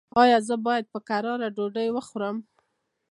ایا زه باید په کراره ډوډۍ وخورم؟